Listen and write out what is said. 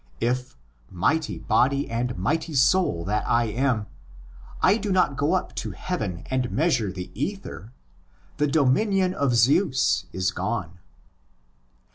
If, mighty body and mighty soul that I am, I do not go up to heaven and measure the ether, the dominion of Zeus is gone.